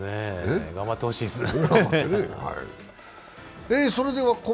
頑張ってほしいですね。